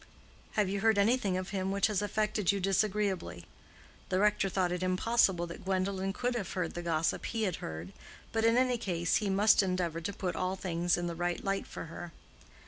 "Have you heard anything of him which has affected you disagreeably?" The rector thought it impossible that Gwendolen could have heard the gossip he had heard, but in any case he must endeavor to put all things in the right light for her.